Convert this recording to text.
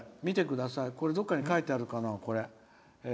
どっかに書いてあるかな？